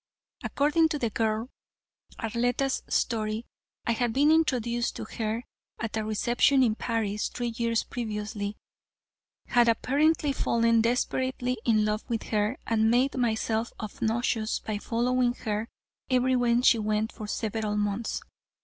According to the girl, Arletta's story, I had been introduced to her at a reception in Paris three years previously, had apparently fallen desperately in love with her, and made myself obnoxious by following her everywhere she went for several months.